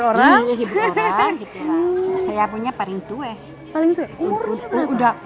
seorang besar panjang memiliki talianmu